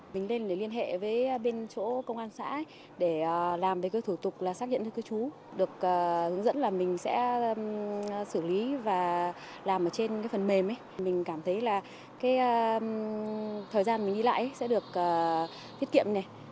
mình cảm thấy là thời gian mình đi lại sẽ được tiết kiệm